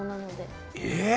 え！